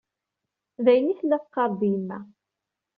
D ayen i tella teqqar-d yemma.